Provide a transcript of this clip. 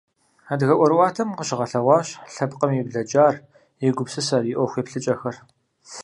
Адыгэ ӀуэрыӀуатэм къыщыгъэлъэгъуащ лъэпкъым и блэкӀар, и гупсысэр, и Ӏуэху еплъыкӀэхэр.